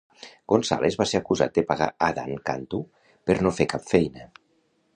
Gonzalez va ser acusat de pagar Adan Cantu per no fer cap feina.